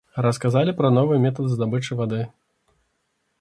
Расказалі пра новы метад здабычы вады.